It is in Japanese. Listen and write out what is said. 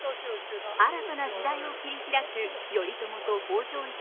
新たな時代を切り開く頼朝と北条一族。